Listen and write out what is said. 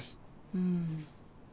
うん。